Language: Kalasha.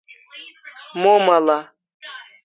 Momal'a